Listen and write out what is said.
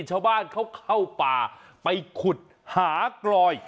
ชาวบ้านเขาเข้าป่าไปขุดหากลอย